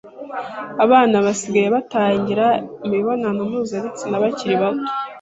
abana basigaye batangira imibonano mpuzabitsina bakiri bato,